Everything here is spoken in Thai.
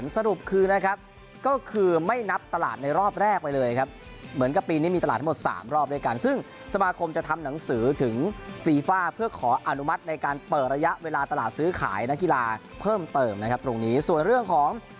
ตีฬาเพิ่มเติมนะครับตรงนี้ส่วนเรื่องของ